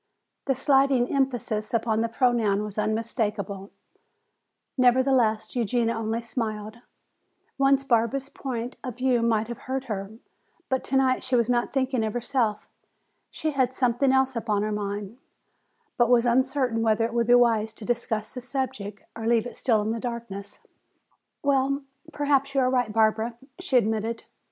The slighting emphasis upon the pronoun was unmistakable; nevertheless, Eugenia only smiled. Once Barbara's point of view might have hurt her, but tonight she was not thinking of herself. She had something else upon her mind, but was uncertain whether it would be wise to discuss the subject, or leave it still in darkness. "Well, perhaps you are right, Barbara," she admitted.